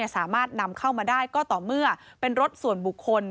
สามารถนำเข้ามาได้ก็ต่อเมื่อเป็นรถส่วนบุคคล